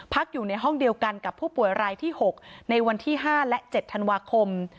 อยู่ในห้องเดียวกันกับผู้ป่วยรายที่๖ในวันที่๕และ๗ธันวาคม